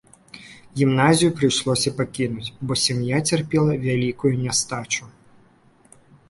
Гімназію прыйшлося пакінуць, бо сям'я цярпела вялікую нястачу.